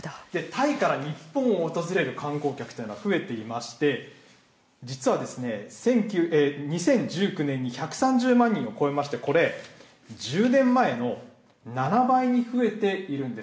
タイから日本を訪れる観光客というのは増えていまして、実は、２０１９年に１３０万人を超えまして、これ、１０年前の７倍に増えているんです。